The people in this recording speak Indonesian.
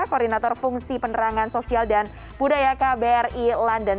koordinator fungsi penerangan sosial dan budaya kbri london